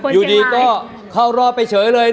หรือดีต้อนเข้ารอบไปเฉยเลย